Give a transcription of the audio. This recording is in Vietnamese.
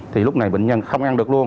thì lúc này bệnh nhân không ăn được luôn